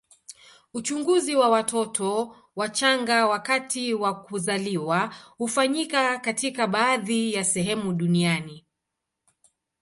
Uchunguzi wa watoto wachanga wakati wa kuzaliwa hufanyika katika baadhi ya sehemu duniani.